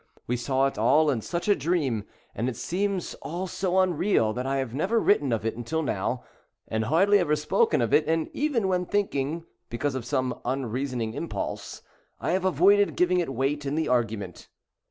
We saw it all in such a dream, and it seems all so unreal, that I have never written of it until now, and hardly ever spoken of it, and even when think ing, because of some unreasoning impulse, I have avoided giving it weight in the argument.